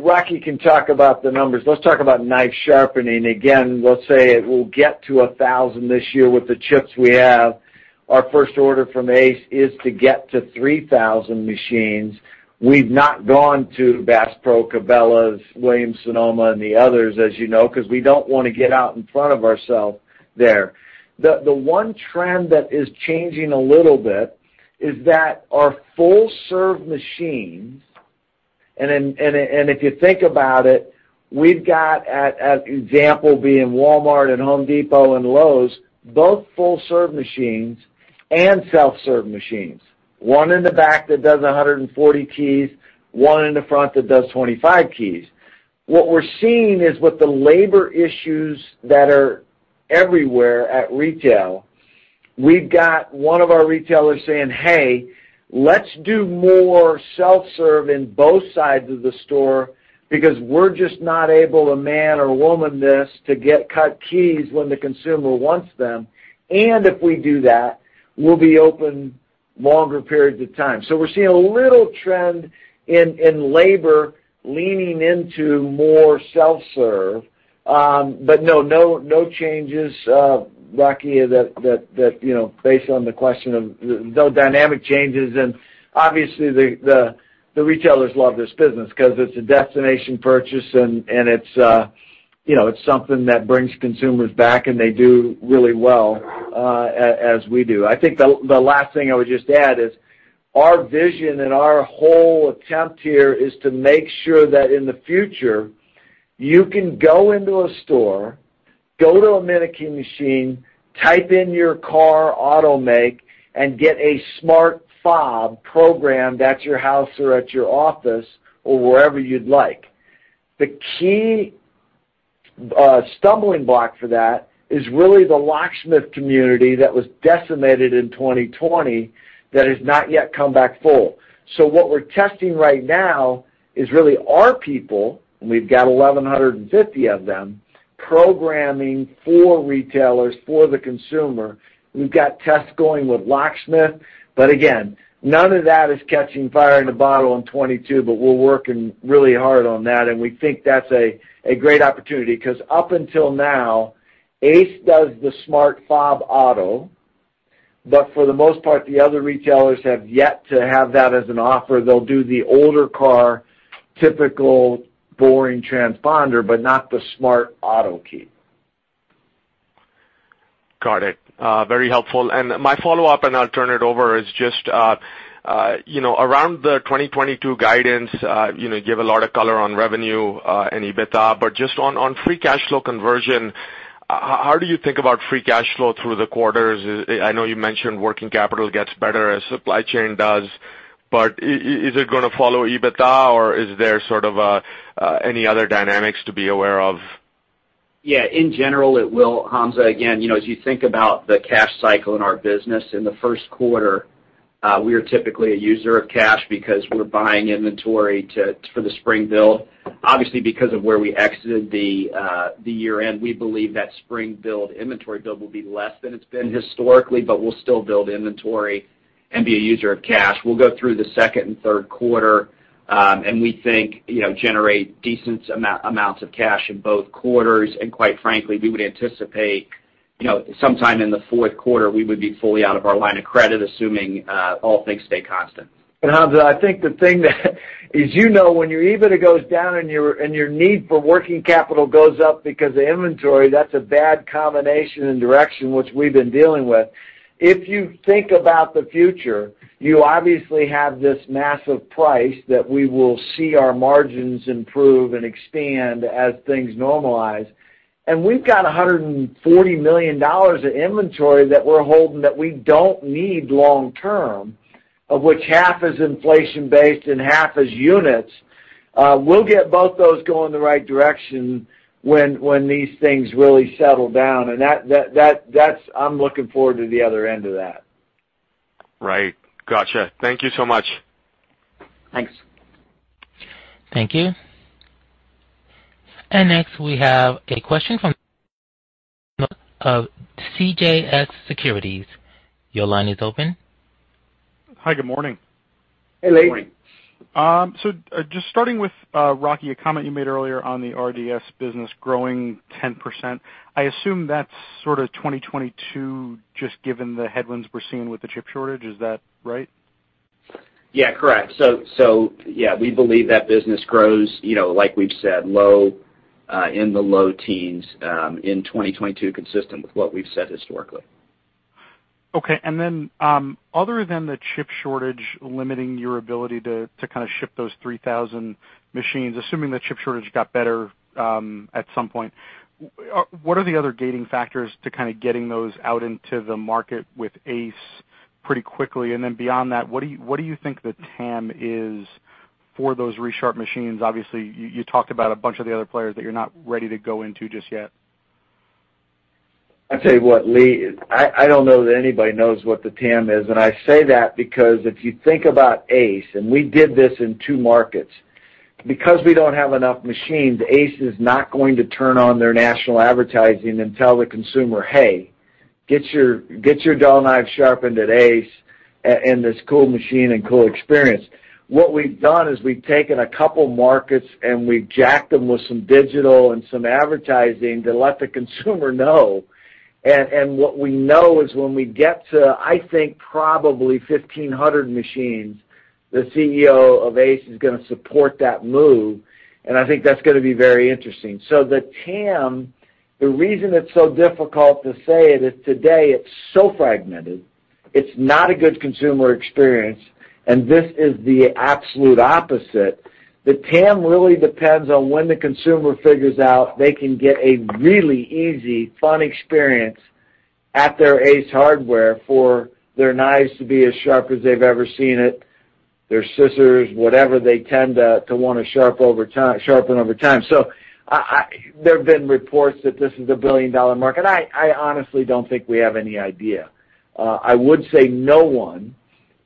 Rocky can talk about the numbers. Let's talk about knife sharpening. Again, we'll say it will get to 1,000 this year with the chips we have. Our first order from Ace is to get to 3,000 machines. We've not gone to Bass Pro, Cabela's, Williams-Sonoma and the others, as you know, 'cause we don't wanna get out in front of ourself there. The one trend that is changing a little bit is that our full serve machines. Then if you think about it, we've got an example being Walmart and Home Depot and Lowe's, both full serve machines and self-serve machines. One in the back that does 140 keys, one in the front that does 25 keys. What we're seeing is with the labor issues that are everywhere at retail, we've got one of our retailers saying, "Hey, let's do more self-serve in both sides of the store because we're just not able to man or woman this to get cut keys when the consumer wants them. And if we do that, we'll be open longer periods of time." We're seeing a little trend in labor leaning into more self-serve. But no changes, Rocky, that you know, based on the question of no dynamic changes. Obviously the retailers love this business 'cause it's a destination purchase and it's you know, it's something that brings consumers back, and they do really well as we do. I think the last thing I would just add is our vision and our whole attempt here is to make sure that in the future, you can go into a store, go to a MinuteKey machine, type in your car's make, and get a smart fob programmed at your house or at your office or wherever you'd like. The key stumbling block for that is really the locksmith community that was decimated in 2020 that has not yet come back full. What we're testing right now is really our people, and we've got 1,150 of them, programming for retailers, for the consumer. We've got tests going with locksmith. Again, none of that is catching lightning in a bottle in 2022, but we're working really hard on that, and we think that's a great opportunity. 'Cause up until now, Ace does the smart fob auto. For the most part, the other retailers have yet to have that as an offer. They'll do the older car, typical boring transponder, but not the smart auto key. Got it. Very helpful. My follow-up, and I'll turn it over, is just, you know, around the 2022 guidance, you know, give a lot of color on revenue, and EBITDA. But just on free cash flow conversion, how do you think about free cash flow through the quarters? I know you mentioned working capital gets better as supply chain does, but is it gonna follow EBITDA, or is there sort of any other dynamics to be aware of? Yeah, in general, it will, Hamza. Again, you know, as you think about the cash cycle in our business, in the first quarter, we are typically a user of cash because we're buying inventory for the spring build. Obviously, because of where we exited the year-end, we believe that spring build inventory build will be less than it's been historically, but we'll still build inventory and be a user of cash. We'll go through the second and third quarter, and we think, you know, generate decent amounts of cash in both quarters. Quite frankly, we would anticipate, you know, sometime in the fourth quarter, we would be fully out of our line of credit, assuming all things stay constant. Hamzah, I think the thing that as you know, when your EBITDA goes down and your need for working capital goes up because of the inventory, that's a bad combination and direction which we've been dealing with. If you think about the future, you obviously have this massive price that we will see our margins improve and expand as things normalize. We've got $140 million of inventory that we're holding that we don't need long term, of which half is inflation-based and half is units. We'll get both those going the right direction when these things really settle down. That's. I'm looking forward to the other end of that. Right. Gotcha. Thank you so much. Thanks. Thank you. Next, we have a question from CJS Securities. Your line is open. Hi, good morning. Hey, Lee. Good morning. Just starting with Rocky, a comment you made earlier on the RDS business growing 10%. I assume that's sort of 2022, just given the headwinds we're seeing with the chip shortage. Is that right? Yeah, correct. Yeah, we believe that business grows, you know, like we've said, low in the low teens in 2022, consistent with what we've said historically. Okay. Then, other than the chip shortage limiting your ability to kind of ship those 3,000 machines, assuming the chip shortage got better, at some point, what are the other gating factors to kind of getting those out into the market with Ace pretty quickly? Then beyond that, what do you think the TAM is for those Resharp machines? Obviously, you talked about a bunch of the other players that you're not ready to go into just yet. I tell you what, Lee, I don't know that anybody knows what the TAM is, and I say that because if you think about Ace, and we did this in two markets, because we don't have enough machines, Ace is not going to turn on their national advertising and tell the consumer, "Hey, get your dull knife sharpened at Ace and this cool machine and cool experience." What we've done is we've taken a couple markets and we've jacked them with some digital and some advertising to let the consumer know. What we know is when we get to, I think, probably 1,500 machines, the CEO of Ace is gonna support that move, and I think that's gonna be very interesting. The TAM, the reason it's so difficult to say it is today it's so fragmented. It's not a good consumer experience, and this is the absolute opposite. The TAM really depends on when the consumer figures out they can get a really easy, fun experience at their Ace Hardware for their knives to be as sharp as they've ever seen it, their scissors, whatever they tend to sharpen over time. There have been reports that this is a billion-dollar market. I honestly don't think we have any idea. I would say no one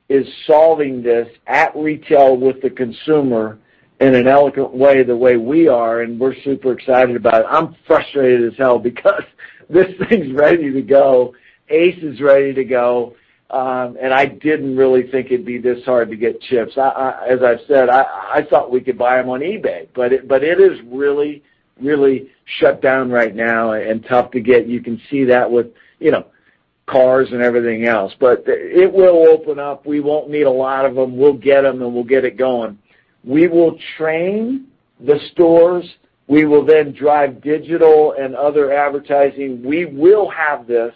is solving this at retail with the consumer in an elegant way the way we are, and we're super excited about it. I'm frustrated as hell because this thing's ready to go. Ace is ready to go. I didn't really think it'd be this hard to get chips. As I've said, I thought we could buy them on eBay. It is really shut down right now and tough to get. You can see that with, you know, cars and everything else. It will open up. We won't need a lot of them. We'll get them, and we'll get it going. We will train the stores. We will then drive digital and other advertising. We will have this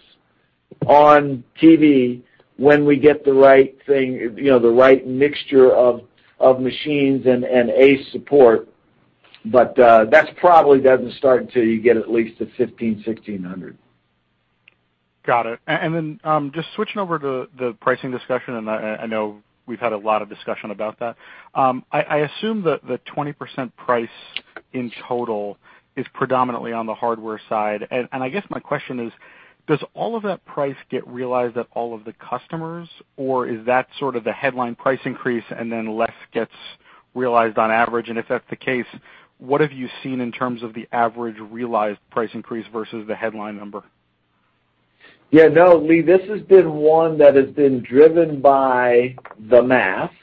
on TV when we get the right thing, you know, the right mixture of machines and support. That probably doesn't start until you get at least to 1,500-1,600. Got it. Just switching over to the pricing discussion, and I know we've had a lot of discussion about that. I assume that the 20% price in total is predominantly on the hardware side. I guess my question is, does all of that price get realized at all of the customers, or is that sort of the headline price increase and then less gets realized on average? If that's the case, what have you seen in terms of the average realized price increase versus the headline number? Yeah, no, Lee, this has been one that has been driven by the math.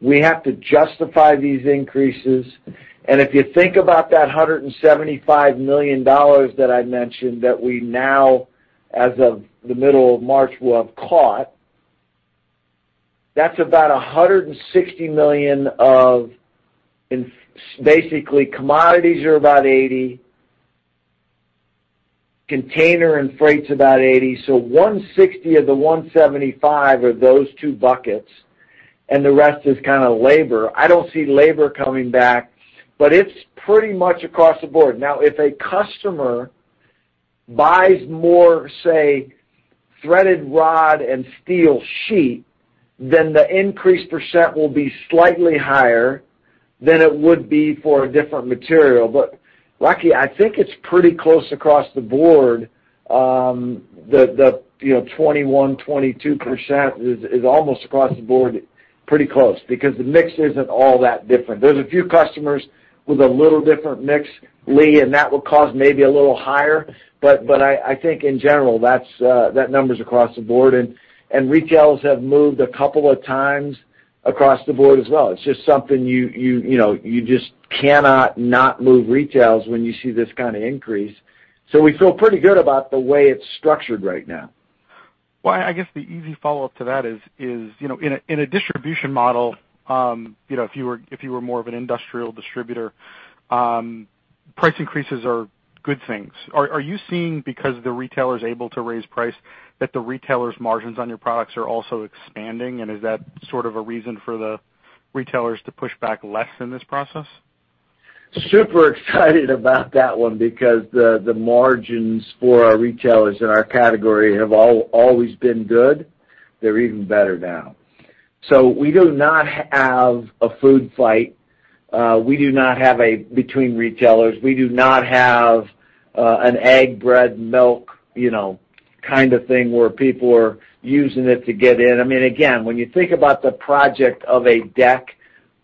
We have to justify these increases. If you think about that $175 million that I mentioned that we now, as of the middle of March, will have caught, that's about $160 million basically, commodities are about $80 million, container and freight's about $80 million. So $160 of the $175 are those two buckets, and the rest is kinda labor. I don't see labor coming back, but it's pretty much across the board. Now, if a customer buys more, say, threaded rod and steel sheet, then the increased % will be slightly higher than it would be for a different material. Luckily, I think it's pretty close across the board, the you know, 21%-22% is almost across the board pretty close because the mix isn't all that different. There's a few customers with a little different mix, Lee, and that will cost maybe a little higher. I think in general, that's that number's across the board, and retailers have moved a couple of times across the board as well. It's just something you know, you just cannot not move retails when you see this kinda increase. We feel pretty good about the way it's structured right now. Well, I guess the easy follow-up to that is, you know, in a distribution model, you know, if you were more of an industrial distributor, price increases are good things. Are you seeing, because the retailer is able to raise price, that the retailer's margins on your products are also expanding? And is that sort of a reason for the retailers to push back less in this process? Super excited about that one because the margins for our retailers in our category have always been good. They're even better now. We do not have a food fight. We do not have a fight between retailers. We do not have an egg, bread, milk, you know, kind of thing where people are using it to get in. I mean, again, when you think about the project of a deck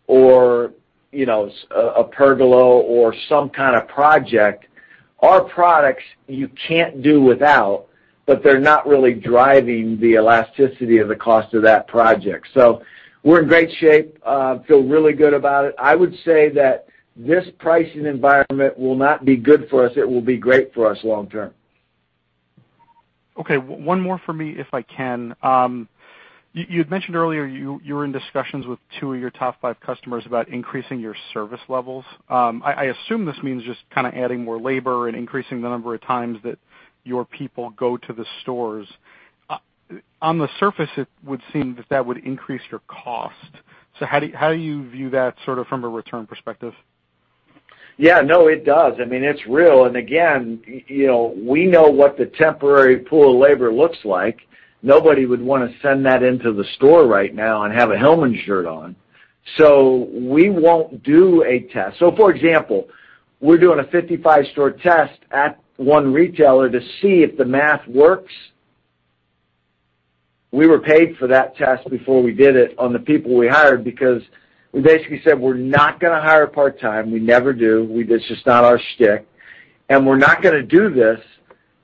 or, you know, a pergola or some kind of project, our products you can't do without, but they're not really driving the elasticity of the cost of that project. We're in great shape, we feel really good about it. I would say that this pricing environment will not be good for us, it will be great for us long term. Okay, one more for me, if I can. You'd mentioned earlier you were in discussions with two of your top five customers about increasing your service levels. I assume this means just kinda adding more labor and increasing the number of times that your people go to the stores. On the surface, it would seem that would increase your cost. How do you view that sorta from a return perspective? Yeah, no, it does. I mean, it's real. Again, you know, we know what the temporary pool of labor looks like. Nobody would wanna send that into the store right now and have a Hillman shirt on. We won't do a test. For example, we're doing a 55-store test at one retailer to see if the math works. We were paid for that test before we did it on the people we hired because we basically said, "We're not gonna hire part-time." We never do. That's just not our shtick. We're not gonna do this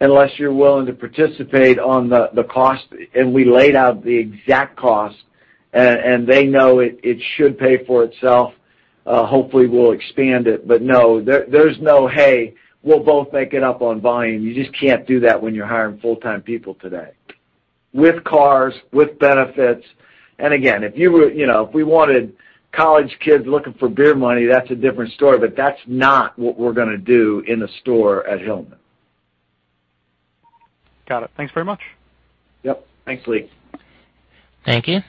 unless you're willing to participate on the cost. We laid out the exact cost, and they know it should pay for itself. Hopefully, we'll expand it. No, there's no, "Hey, we'll both make it up on volume." You just can't do that when you're hiring full-time people today, with cars, with benefits. Again, if you were you know, if we wanted college kids looking for beer money, that's a different story. That's not what we're gonna do in a store at Hillman. Got it. Thanks very much. Yep. Thanks, Lee. Thank you.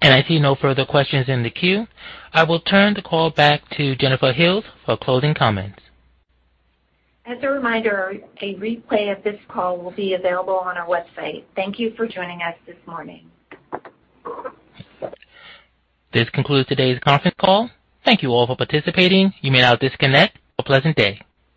I see no further questions in the queue. I will turn the call back to Jennifer Hills for closing comments. As a reminder, a replay of this call will be available on our website. Thank you for joining us this morning. This concludes today's conference call. Thank you all for participating. You may now disconnect. Have a pleasant day.